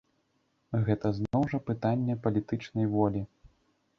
Гэта зноў жа пытанне палітычнай волі.